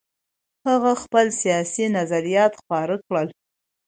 هغه خپل سیاسي نظریات خپاره کړل.